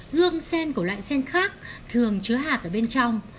gương sen của loại sen khác thường chứa hạt ở bên trong